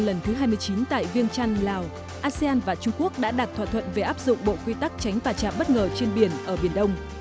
lần thứ hai mươi chín tại viêng trăn lào asean và trung quốc đã đặt thỏa thuận về áp dụng bộ quy tắc tránh và chạm bất ngờ trên biển ở biển đông